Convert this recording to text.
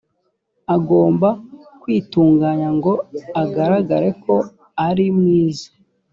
agomba kwitunganya ngo agaragare ko ari mwiza